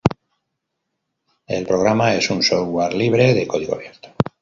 El programa es un software libre, de código abierto.